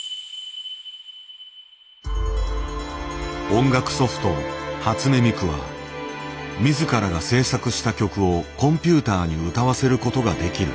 音楽ソフト「初音ミク」は自らが制作した曲をコンピューターに歌わせることができる。